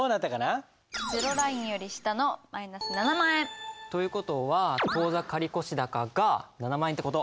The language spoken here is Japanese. ゼロラインより下のマイナス７万円。という事は当座借越高が７万円って事。